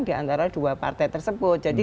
diantara dua partai tersebut jadi